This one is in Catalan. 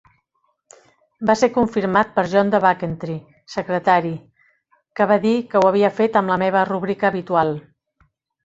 Va ser confirmat per John de Banketre, Secretari, que va dir que ho havia fet "amb la meva rúbrica habitual".